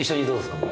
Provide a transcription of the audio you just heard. これ。